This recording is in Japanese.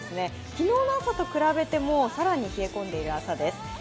昨日の朝と比べても更に冷え込んでいる朝です。